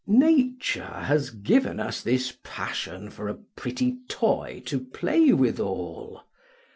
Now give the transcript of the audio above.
Nature has given us this passion for a pretty toy to play withal.